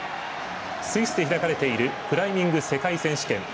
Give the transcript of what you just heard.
スイスで開かれているクライミング世界選手権。